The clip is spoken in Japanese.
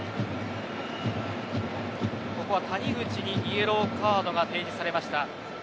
谷口にイエローカードが提示されました。